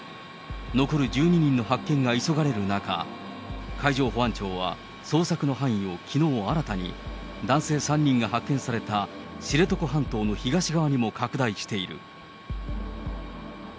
残る１２人の発見が急がれる中、海上保安庁は、捜索の範囲をきのう新たに、男性３人が発見された知床半島の東側にも拡大している。